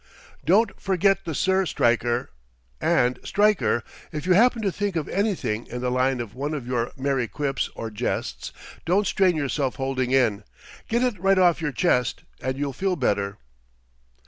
"Don't forget the 'sir,' Stryker. And, Stryker, if you happen to think of anything in the line of one of your merry quips or jests, don't strain yourself holding in; get it right off your chest, and you'll feel better."